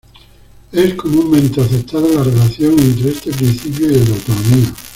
Es comúnmente aceptada la relación entre este principio y el de autonomía.